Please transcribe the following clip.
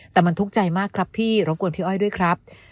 แต่มันทุกข์ใจมากครับพี่รบกวนพี่อ้อยด้วยครับ